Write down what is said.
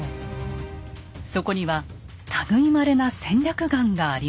そこには類いまれな戦略眼がありました。